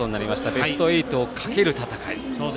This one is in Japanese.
ベスト８をかける戦い。